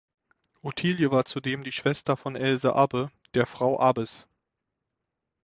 Ottilie war zudem die Schwester von Else Abbe, der Frau Abbes.